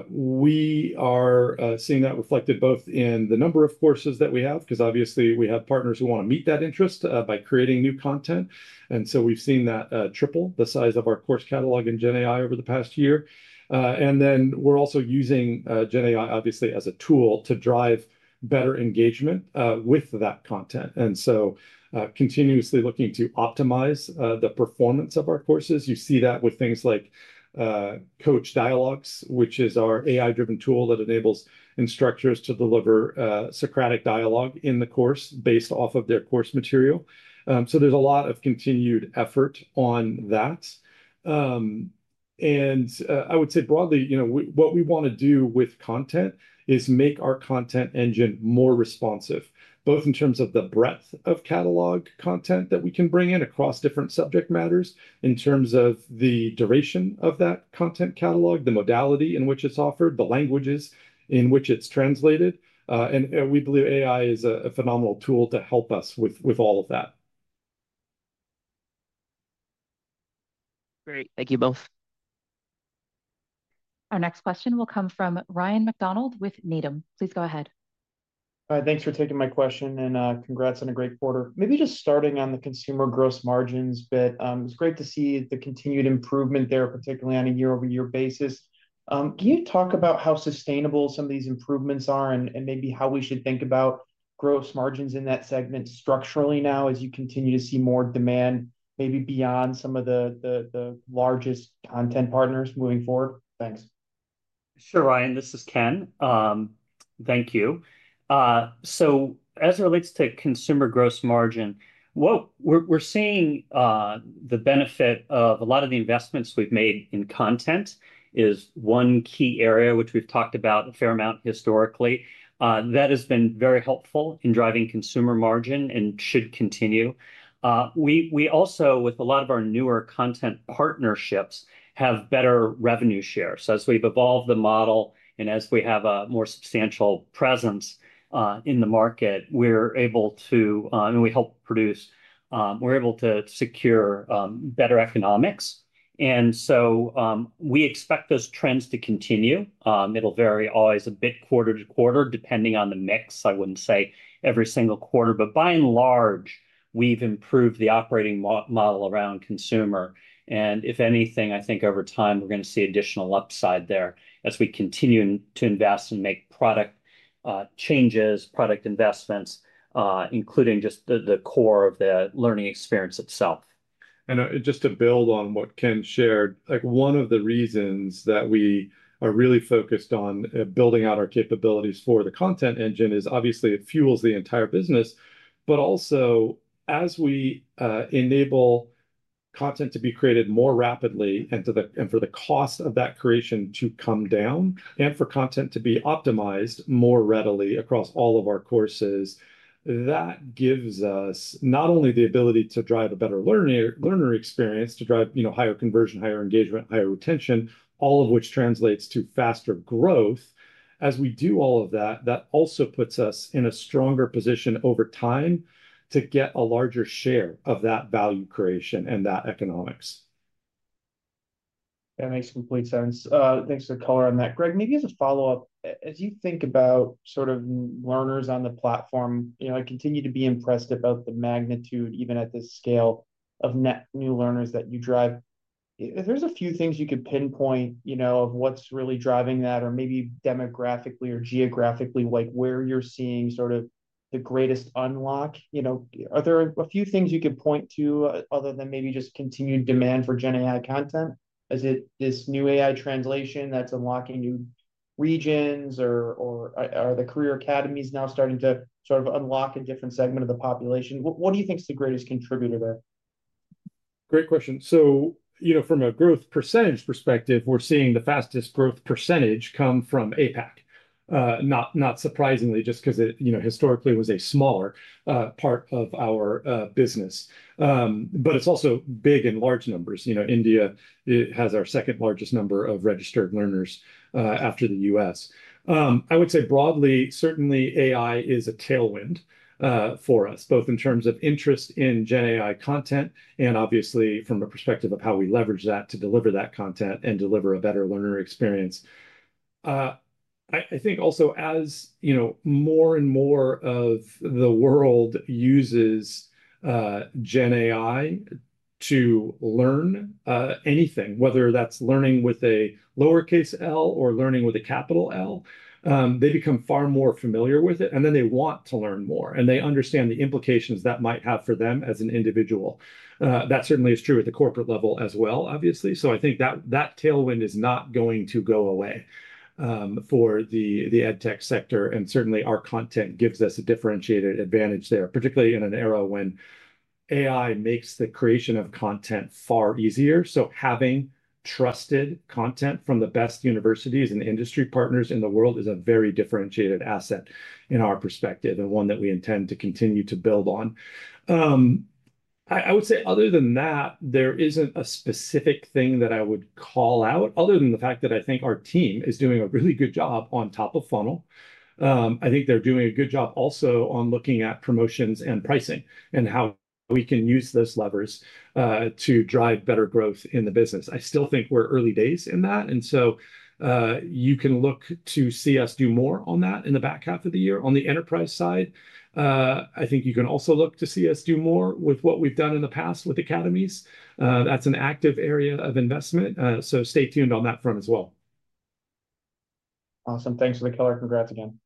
We are seeing that reflected both in the number of courses that we have, because obviously we have partners who want to meet that interest by creating new content. We've seen that triple the size of our course catalog in generative AI over the past year. We're also using generative AI, obviously, as a tool to drive better engagement with that content. We're continuously looking to optimize the performance of our courses. You see that with things like Coach Dialogues, which is our AI-driven tool that enables instructors to deliver Socratic dialogue in the course based off of their course material. There's a lot of continued effort on that. I would say broadly, what we want to do with content is make our content engine more responsive, both in terms of the breadth of catalog content that we can bring in across different subject matters, in terms of the duration of that content catalog, the modality in which it's offered, the languages in which it's translated. We believe AI is a phenomenal tool to help us with all of that. Great. Thank you both. Our next question will come from Ryan McDonald with Needham. Please go ahead. Hi, thanks for taking my question, and congrats on a great quarter. Maybe just starting on the consumer gross margins bit, it's great to see the continued improvement there, particularly on a year-over-year basis. Can you talk about how sustainable some of these improvements are, and maybe how we should think about gross margins in that segment structurally now as you continue to see more demand, maybe beyond some of the largest content partners moving forward? Thanks. Sure, Ryan. This is Ken. Thank you. As it relates to consumer gross margin, we're seeing the benefit of a lot of the investments we've made in content as one key area, which we've talked about a fair amount historically. That has been very helpful in driving consumer margin and should continue. With a lot of our newer content partnerships, we have better revenue shares. As we've evolved the model and as we have a more substantial presence in the market, we're able to, and we help produce, we're able to secure better economics. We expect those trends to continue. It'll vary always a bit quarter to quarter, depending on the mix. I wouldn't say every single quarter, but by and large, we've improved the operating model around consumer. If anything, I think over time we're going to see additional upside there as we continue to invest and make product changes, product investments, including just the core of the learning experience itself. To build on what Ken shared, one of the reasons that we are really focused on building out our capabilities for the content engine is obviously it fuels the entire business. As we enable content to be created more rapidly and for the cost of that creation to come down and for content to be optimized more readily across all of our courses, that gives us not only the ability to drive a better learner experience, to drive higher conversion, higher engagement, higher retention, all of which translates to faster growth. As we do all of that, that also puts us in a stronger position over time to get a larger share of that value creation and that economics. That makes complete sense. Thanks for the call on that. Greg, maybe as a follow-up, as you think about sort of learners on the platform, I continue to be impressed about the magnitude, even at this scale, of net new learners that you drive. If there's a few things you could pinpoint of what's really driving that, or maybe demographically or geographically, like where you're seeing sort of the greatest unlock, are there a few things you could point to other than maybe just continued demand for generative AI content? Is it this new AI translations and dubbing that's unlocking new regions, or are the career academies now starting to sort of unlock a different segment of the population? What do you think is the greatest contributor there? Great question. From a growth % perspective, we're seeing the fastest growth % come from APAC, not surprisingly, just because it historically was a smaller part of our business. It's also big in large numbers. India has our second largest number of registered learners after the U.S. I would say broadly, certainly AI is a tailwind for us, both in terms of interest in generative AI content and obviously from a perspective of how we leverage that to deliver that content and deliver a better learner experience. I think also as more and more of the world uses generative AI to learn anything, whether that's learning with a lowercase L or learning with a capital L, they become far more familiar with it, and then they want to learn more, and they understand the implications that might have for them as an individual. That certainly is true at the corporate level as well, obviously. I think that tailwind is not going to go away for the ed tech sector, and certainly our content gives us a differentiated advantage there, particularly in an era when AI makes the creation of content far easier. Having trusted content from the best universities and industry partners in the world is a very differentiated asset in our perspective, and one that we intend to continue to build on. Other than that, there isn't a specific thing that I would call out, other than the fact that I think our team is doing a really good job on top of funnel. I think they're doing a good job also on looking at promotions and pricing and how we can use those levers to drive better growth in the business. I still think we're early days in that, and you can look to see us do more on that in the back half of the year on the enterprise side. You can also look to see us do more with what we've done in the past with academies. That's an active area of investment, so stay tuned on that front as well. Awesome. Thanks, Michael. Congrats again.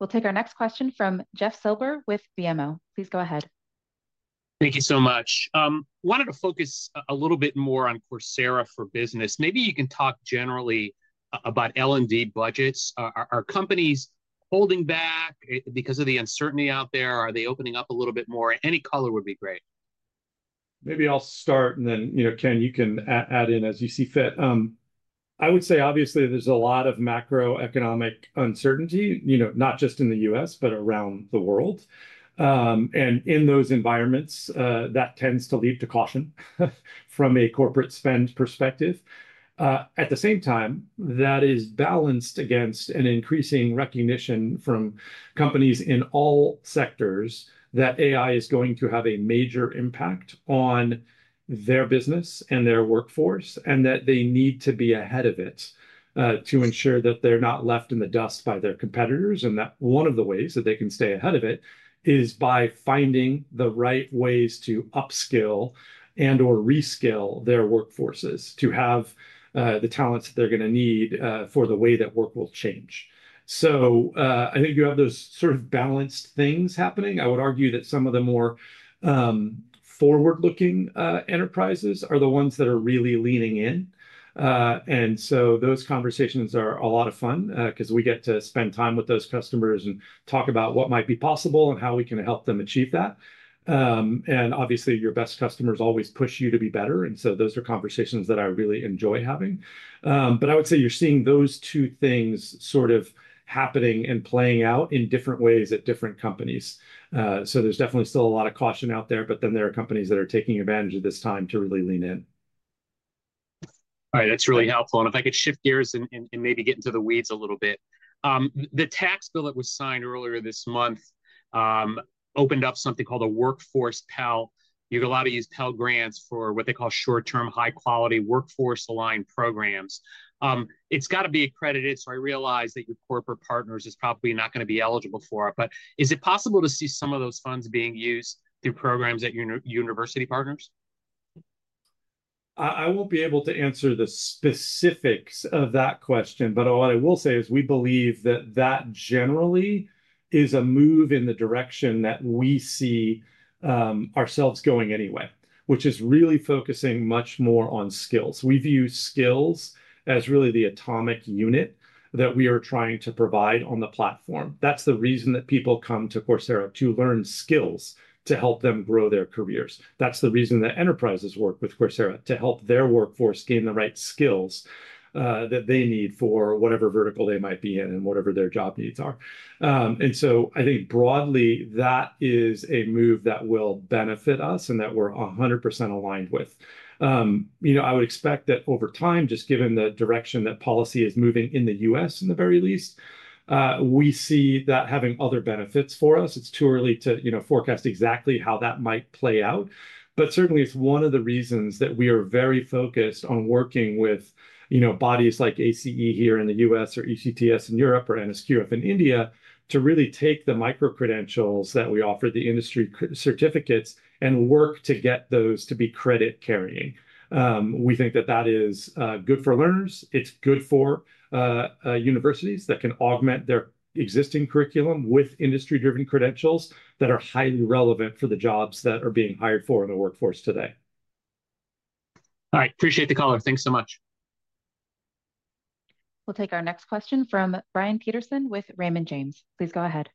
We'll take our next question from Jeff Silber with BMO. Please go ahead. Thank you so much. I wanted to focus a little bit more on Coursera for Business. Maybe you can talk generally about L&D budgets. Are companies holding back because of the uncertainty out there? Are they opening up a little bit more? Any color would be great. Maybe I'll start, and then Ken, you can add in as you see fit. I would say obviously there's a lot of macroeconomic uncertainty, not just in the U.S., but around the world. In those environments, that tends to lead to caution from a corporate spend perspective. At the same time, that is balanced against an increasing recognition from companies in all sectors that AI is going to have a major impact on their business and their workforce, and that they need to be ahead of it to ensure that they're not left in the dust by their competitors. One of the ways that they can stay ahead of it is by finding the right ways to upskill and/or reskill their workforces to have the talents that they're going to need for the way that work will change. I think you have those sort of balanced things happening. I would argue that some of the more forward-looking enterprises are the ones that are really leaning in. Those conversations are a lot of fun because we get to spend time with those customers and talk about what might be possible and how we can help them achieve that. Obviously, your best customers always push you to be better, and those are conversations that I really enjoy having. I would say you're seeing those two things sort of happening and playing out in different ways at different companies. There's definitely still a lot of caution out there, but there are companies that are taking advantage of this time to really lean in. All right, that's really helpful. If I could shift gears and maybe get into the weeds a little bit, the tax bill that was signed earlier this month opened up something called a Workforce Pell. You're allowed to use Pell Grants for what they call short-term high-quality workforce-aligned programs. It's got to be accredited, so I realize that your corporate partners are probably not going to be eligible for it. Is it possible to see some of those funds being used through programs at your university partners? I won't be able to answer the specifics of that question, but what I will say is we believe that generally is a move in the direction that we see ourselves going anyway, which is really focusing much more on skills. We view skills as really the atomic unit that we are trying to provide on the platform. That's the reason that people come to Coursera to learn skills to help them grow their careers. That's the reason that enterprises work with Coursera to help their workforce gain the right skills that they need for whatever vertical they might be in and whatever their job needs are. I think broadly that is a move that will benefit us and that we're 100% aligned with. I would expect that over time, just given the direction that policy is moving in the U.S., in the very least, we see that having other benefits for us. It's too early to forecast exactly how that might play out. Certainly, it's one of the reasons that we are very focused on working with bodies like ACE here in the U.S. or ECTS in Europe or NSQF in India to really take the micro-credentials that we offer, the industry certificates, and work to get those to be credit-carrying. We think that is good for learners. It's good for universities that can augment their existing curriculum with industry-driven credentials that are highly relevant for the jobs that are being hired for in the workforce today. All right, appreciate the caller. Thanks so much. We'll take our next question from Brian Peterson with Raymond James. Please go ahead.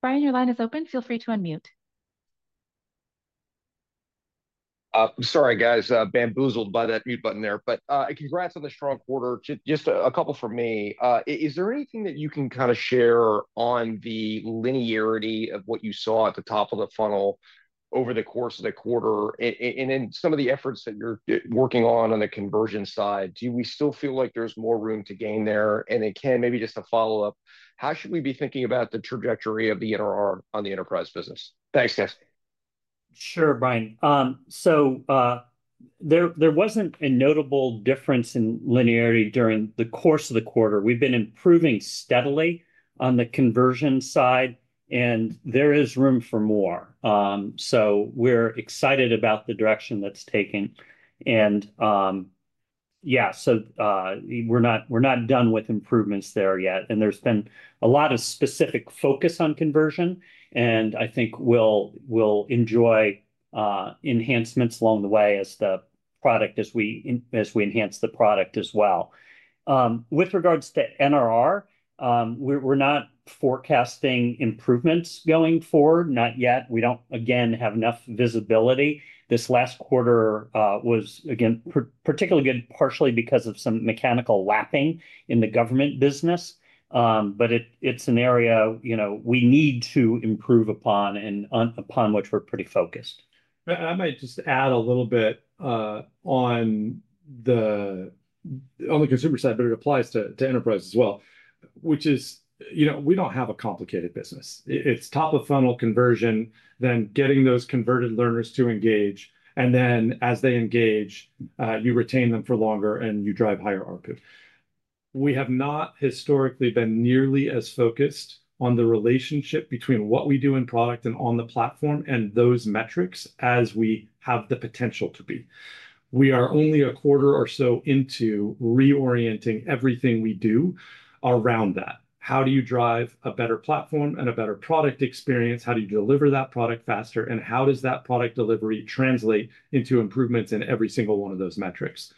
Brian, your line is open. Feel free to unmute. I'm sorry, guys, bamboozled by that mute button there. Congrats on the strong quarter. Just a couple for me. Is there anything that you can kind of share on the linearity of what you saw at the top of the funnel over the course of the quarter, and then some of the efforts that you're working on on the conversion side? Do we still feel like there's more room to gain there? Ken, maybe just a follow-up, how should we be thinking about the trajectory of the net retention rate on the enterprise segment? Thanks guys. Sure, Brian. There wasn't a notable difference in linearity during the course of the quarter. We've been improving steadily on the conversion side, and there is room for more. We're excited about the direction that's taken. We're not done with improvements there yet. There's been a lot of specific focus on conversion, and I think we'll enjoy enhancements along the way as we enhance the product as well. With regards to NRR, we're not forecasting improvements going forward, not yet. We don't have enough visibility. This last quarter was particularly good partially because of some mechanical lapping in the government business. It's an area we need to improve upon and upon which we're pretty focused. I might just add a little bit on the consumer side, but it applies to enterprise as well, which is we don't have a complicated business. It's top of funnel conversion, then getting those converted learners to engage, and then as they engage, you retain them for longer and you drive higher ARPU. We have not historically been nearly as focused on the relationship between what we do in product and on the platform and those metrics as we have the potential to be. We are only a quarter or so into reorienting everything we do around that. How do you drive a better platform and a better product experience? How do you deliver that product faster? How does that product delivery translate into improvements in every single one of those metrics?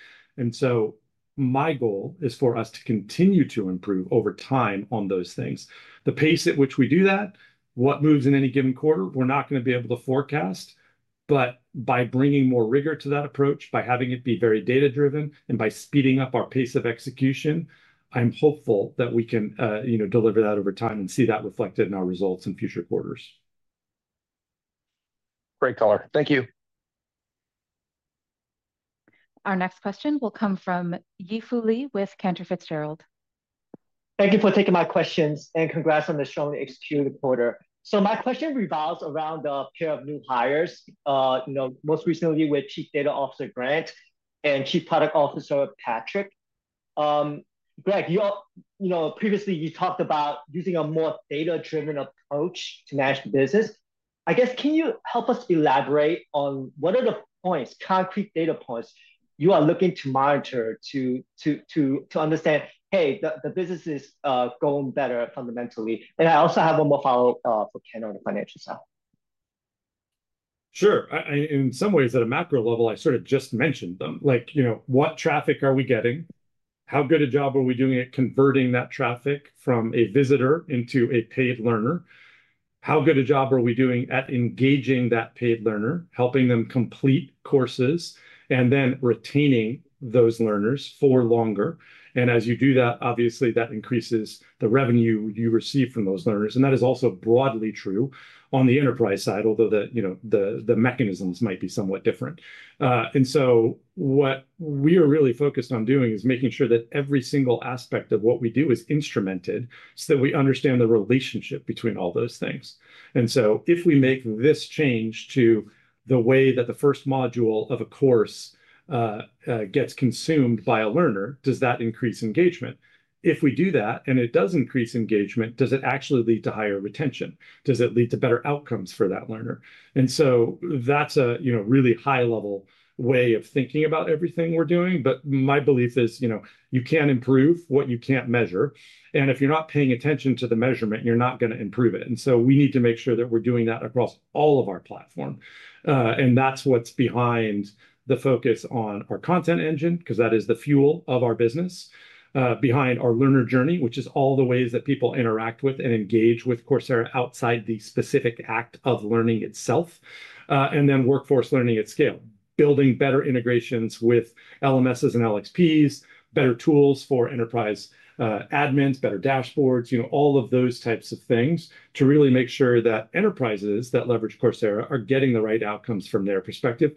My goal is for us to continue to improve over time on those things. The pace at which we do that, what moves in any given quarter, we're not going to be able to forecast. By bringing more rigor to that approach, by having it be very data-driven, and by speeding up our pace of execution, I am hopeful that we can deliver that over time and see that reflected in our results in future quarters. Great caller, thank you. Our next question will come from Yi Fu Lee with Cantor Fitzgerald. Thank you for taking my questions, and congrats on the strong executed quarter. My question revolves around the pair of new hires, most recently with Chief Data Officer Grant and Chief Product Officer Patrick. Greg, previously you talked about using a more data-driven approach to manage the business. I guess, can you help us elaborate on what are the points, concrete data points, you are looking to monitor to understand, hey, the business is going better fundamentally? I also have one more follow-up for Ken on the financial side. Sure. In some ways, at a macro level, I sort of just mentioned them. Like, you know, what traffic are we getting? How good a job are we doing at converting that traffic from a visitor into a paid learner? How good a job are we doing at engaging that paid learner, helping them complete courses, and then retaining those learners for longer? As you do that, obviously, that increases the revenue you receive from those learners. That is also broadly true on the enterprise side, although the mechanisms might be somewhat different. What we are really focused on doing is making sure that every single aspect of what we do is instrumented so that we understand the relationship between all those things. If we make this change to the way that the first module of a course gets consumed by a learner, does that increase engagement? If we do that and it does increase engagement, does it actually lead to higher retention? Does it lead to better outcomes for that learner? That is a really high-level way of thinking about everything we're doing. My belief is you can't improve what you can't measure. If you're not paying attention to the measurement, you're not going to improve it. We need to make sure that we're doing that across all of our platform. That is what's behind the focus on our content engine, because that is the fuel of our business, behind our learner journey, which is all the ways that people interact with and engage with Coursera outside the specific act of learning itself, and then workforce learning at scale, building better integrations with LMSs and LXPs, better tools for enterprise admins, better dashboards, all of those types of things to really make sure that enterprises that leverage Coursera are getting the right outcomes from their perspective.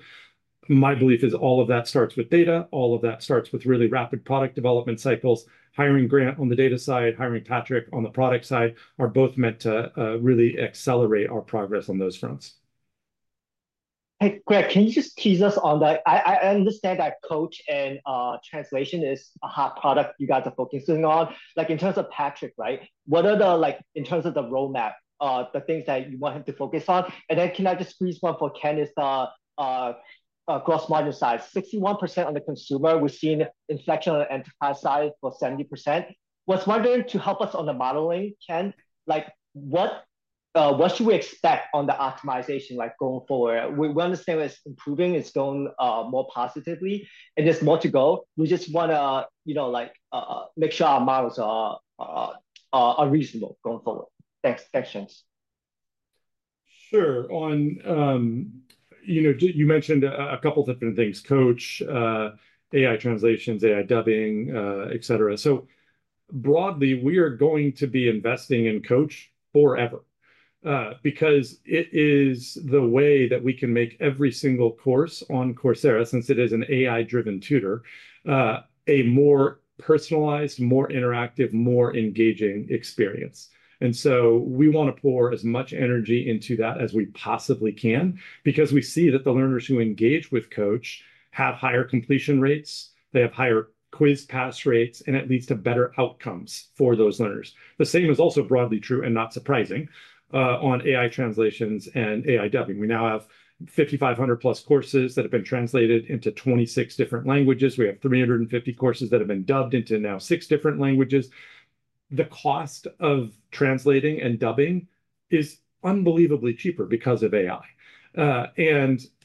My belief is all of that starts with data. All of that starts with really rapid product development cycles. Hiring Grant on the data side, hiring Patrick on the product side are both meant to really accelerate our progress on those fronts. Hey, Greg, can you just tease us on that? I understand that Coach and translation is a hot product you guys are focusing on. In terms of Patrick, right, what are the, in terms of the roadmap, the things that you want him to focus on? Can I just squeeze one for Ken? It's a gross margin size, 61% on the consumer. We're seeing inflection on the enterprise side for 70%. I was wondering, to help us on the modeling, Ken, what should we expect on the optimization going forward? We understand it's improving, it's going more positively, and there's more to go. We just want to make sure our models are reasonable going forward. Thanks. Thanks, James. Sure. You mentioned a couple of different things: Coach, AI translations, AI dubbing, et cetera. Broadly, we are going to be investing in Coach forever because it is the way that we can make every single course on Coursera, since it is an AI-driven tutor, a more personalized, more interactive, more engaging experience. We want to pour as much energy into that as we possibly can because we see that the learners who engage with Coach have higher completion rates. They have higher quiz pass rates and at least better outcomes for those learners. The same is also broadly true and not surprising on AI translations and AI dubbing. We now have 5,500 plus courses that have been translated into 26 different languages. We have 350 courses that have been dubbed into now six different languages. The cost of translating and dubbing is unbelievably cheaper because of AI.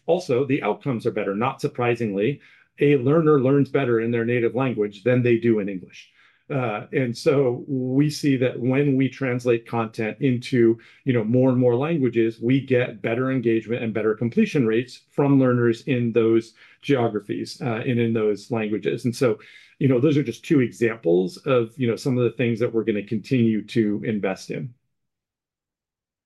Also, the outcomes are better. Not surprisingly, a learner learns better in their native language than they do in English. We see that when we translate content into more and more languages, we get better engagement and better completion rates from learners in those geographies and in those languages. Those are just two examples of some of the things that we're going to continue to invest in.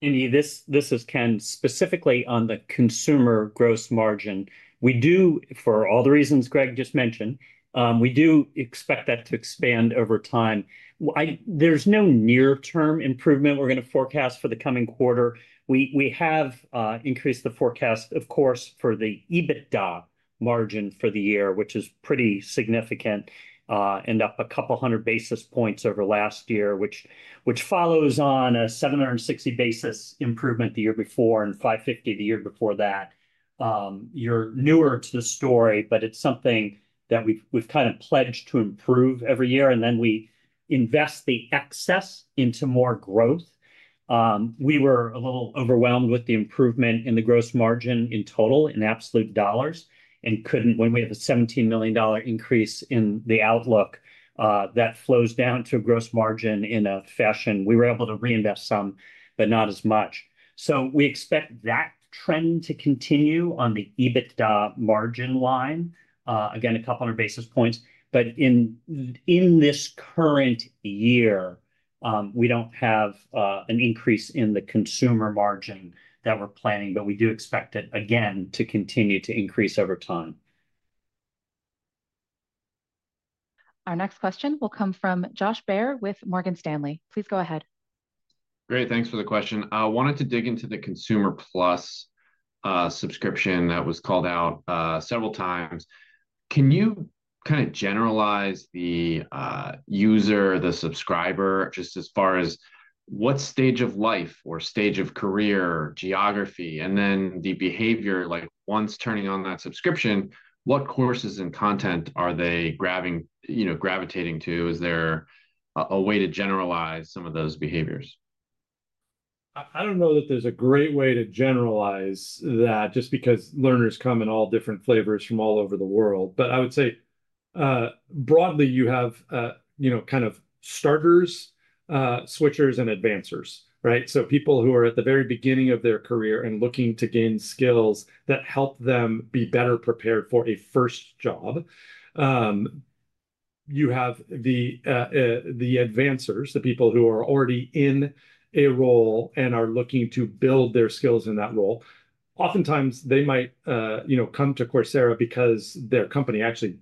This is Ken specifically on the consumer gross margin. We do, for all the reasons Greg just mentioned, expect that to expand over time. There is no near-term improvement we're going to forecast for the coming quarter. We have increased the forecast, of course, for the adjusted EBITDA margin for the year, which is pretty significant and up a couple hundred basis points over last year, which follows on a 760 basis point improvement the year before and 550 the year before that. You're newer to the story, but it's something that we've kind of pledged to improve every year. We invest the excess into more growth. We were a little overwhelmed with the improvement in the gross margin in total in absolute dollars and couldn't, when we have a $17 million increase in the outlook that flows down to a gross margin in a fashion, we were able to reinvest some, but not as much. We expect that trend to continue on the adjusted EBITDA margin line, again, a couple hundred basis points. In this current year, we don't have an increase in the consumer margin that we're planning, but we do expect it, again, to continue to increase over time. Our next question will come from Josh Baer with Morgan Stanley. Please go ahead. Great. Thanks for the question. I wanted to dig into the Coursera Plus subscription that was called out several times. Can you kind of generalize the user, the subscriber, just as far as what stage of life or stage of career, geography, and then the behavior? Like once turning on that subscription, what courses and content are they gravitating to? Is there a way to generalize some of those behaviors? I don't know that there's a great way to generalize that just because learners come in all different flavors from all over the world. I would say broadly, you have kind of starters, switchers, and advancers, right? People who are at the very beginning of their career and looking to gain skills that help them be better prepared for a first job. You have the advancers, the people who are already in a role and are looking to build their skills in that role. Oftentimes, they might come to Coursera because their company actually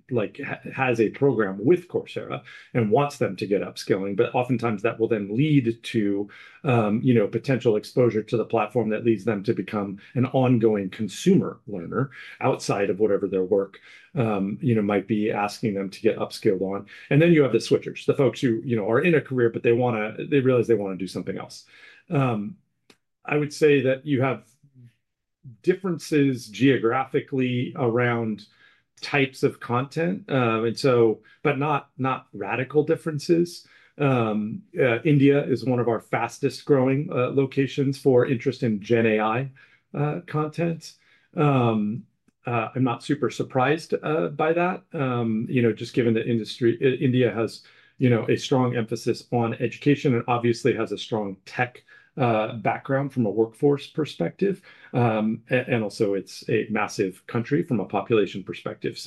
has a program with Coursera and wants them to get upskilling. Oftentimes, that will then lead to potential exposure to the platform that leads them to become an ongoing consumer learner outside of whatever their work might be asking them to get upskilled on. You have the switchers, the folks who are in a career, but they realize they want to do something else. I would say that you have differences geographically around types of content, but not radical differences. India is one of our fastest growing locations for interest in generative AI content. I'm not super surprised by that, just given that India has a strong emphasis on education and obviously has a strong tech background from a workforce perspective. Also, it's a massive country from a population perspective.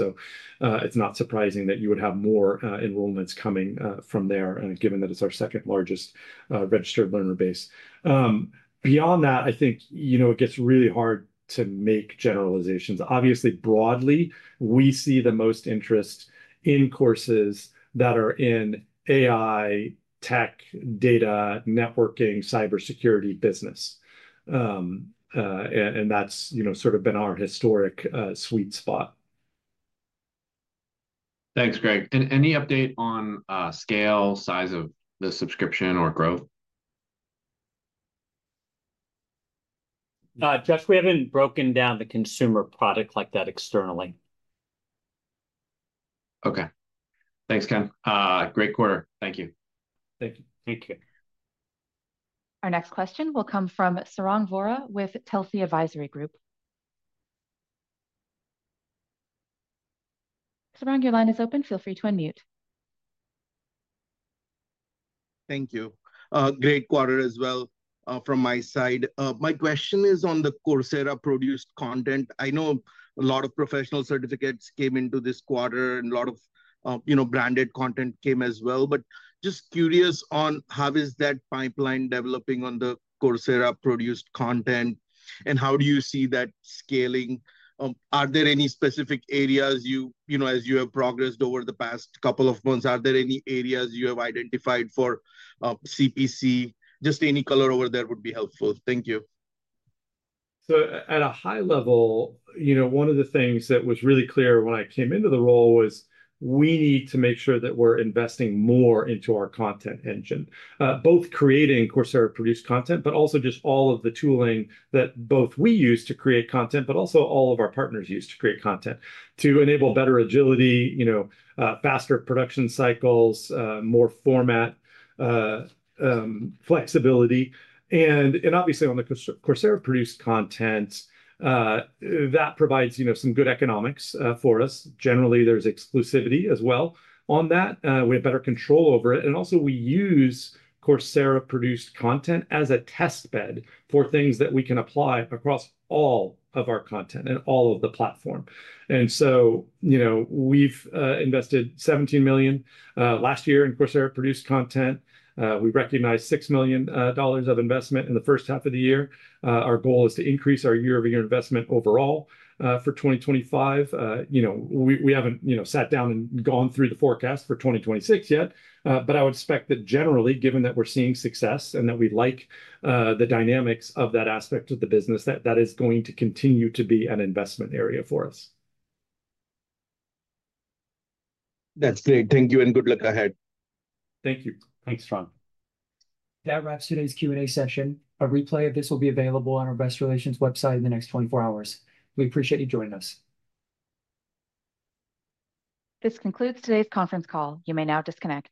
It's not surprising that you would have more enrollments coming from there, given that it's our second largest registered learner base. Beyond that, I think it gets really hard to make generalizations. Obviously, broadly, we see the most interest in courses that are in AI, tech, data, networking, cybersecurity, business. That's sort of been our historic sweet spot. Thanks, Greg. Any update on scale, size of the subscription, or growth? Josh, we haven't broken down the consumer product like that externally. OK, thanks, Ken. Great quarter. Thank you. Thank you. Our next question will come from Sarang Vora with Telse Advisory Group. Sarang, your line is open. Feel free to unmute. Thank you. Great quarter as well from my side. My question is on the Coursera-produced content. I know a lot of professional certificates came into this quarter, and a lot of branded content came as well. Just curious on how is that pipeline developing on the Coursera-produced content, and how do you see that scaling? Are there any specific areas you, as you have progressed over the past couple of months, have identified for Coursera-produced content? Any color over there would be helpful. Thank you. At a high level, one of the things that was really clear when I came into the role was we need to make sure that we're investing more into our content engine, both creating Coursera-produced content, but also just all of the tooling that both we use to create content, but also all of our partners use to create content to enable better agility, faster production cycles, more format flexibility. Obviously, on the Coursera-produced content, that provides some good economics for us. Generally, there's exclusivity as well on that. We have better control over it. We use Coursera-produced content as a test bed for things that we can apply across all of our content and all of the platform. We've invested $17 million last year in Coursera-produced content. We recognized $6 million of investment in the first half of the year. Our goal is to increase our year-over-year investment overall for 2025. We haven't sat down and gone through the forecast for 2026 yet. I would expect that generally, given that we're seeing success and that we like the dynamics of that aspect of the business, that is going to continue to be an investment area for us. That's great. Thank you, and good luck ahead. Thank you. Thanks, Sarang. That wraps today's Q&A session. A replay of this will be available on our Investor Relations website in the next 24 hours. We appreciate you joining us. This concludes today's conference call. You may now disconnect.